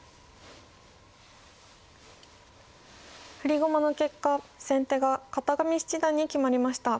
振り駒の結果先手が片上七段に決まりました。